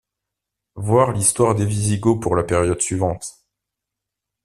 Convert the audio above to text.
Voir l’histoire des Wisigoths pour la période suivante.